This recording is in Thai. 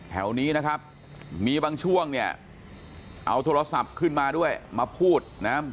แถวนี้นะครับมีบางช่วงเนี่ยเอาโทรศัพท์ขึ้นมาด้วยมาพูดนะ